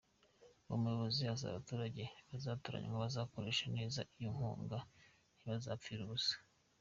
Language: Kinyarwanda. Uwo muyobozi asaba abaturage bazatoranywa kuzakoresha neza iyo nkunga, ntizabapfire ubusa.